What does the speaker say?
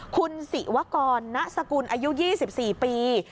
คุณศิวกรณสกุลอายุ๒๔ปี